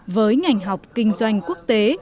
với ngành học kinh doanh quốc tế